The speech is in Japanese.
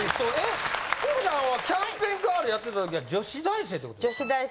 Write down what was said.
慶子ちゃんはキャンペーンガールやってた時は女子大生ってこと？